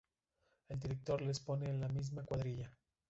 El director les pone en la misma cuadrilla.